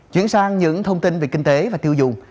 chuyển sang những thông tin về kinh tế và tiêu dùng